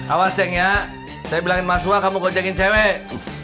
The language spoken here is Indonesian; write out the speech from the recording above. awas ceng ya saya bilangin mas wah kamu gojengin cewek